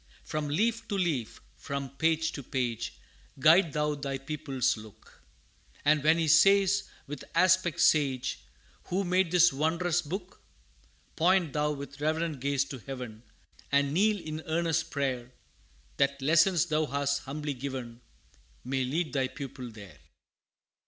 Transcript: From leaf to leaf, from page to page, Guide thou thy pupil's look, And when he says, with aspect sage, "Who made this wondrous book?" Point thou with reverent gaze to heaven, And kneel in earnest prayer, That lessons thou hast humbly given, May lead thy pupil there.